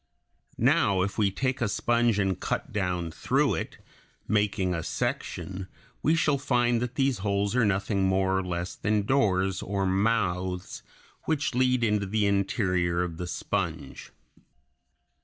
Now if we take a sponge and cut down through it, making a section, we shall find that these holes are nothing more or less than doors or mouths which lead into the interior of the sponge.